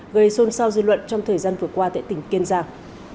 gây xôn xao dư luận trong thời gian vừa qua tại tỉnh kiên giang